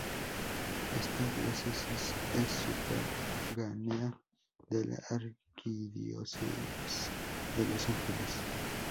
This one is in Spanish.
Esta diócesis es sufragánea de la Arquidiócesis de Los Ángeles.